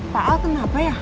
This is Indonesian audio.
pak alten apa ya